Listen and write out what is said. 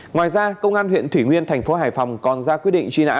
ngoài ra công an huyện thủy nguyên tp hải phòng còn ra quyết định truy nã